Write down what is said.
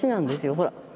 ほら。